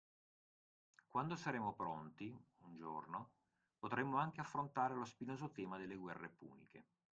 Quando saremo pronti, un giorno, potremmo anche affrontare lo spinoso tema delle guerre puniche.